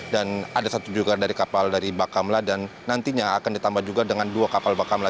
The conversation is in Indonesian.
dan ada satu juga dari kapal dari bakamla dan nantinya akan ditambah juga dengan dua kapal bakamla